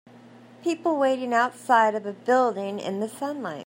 People waiting outside of a building in the sunlight.